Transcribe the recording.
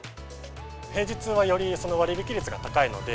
平日はより割引率が高いので、